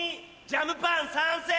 ジャムパン賛成！